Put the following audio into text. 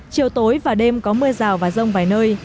chiều tối và đêm có mưa rào và rông vài nơi